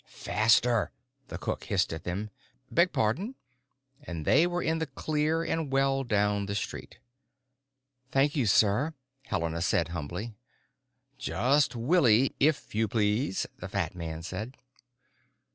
"Faster," the cook hissed at them. "Beg pardon——" And they were in the clear and well down the street. "Thank you, Sir," Helena said humbly. "Just 'Willie', if you please," the fat man said.